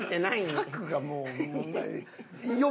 策がもう。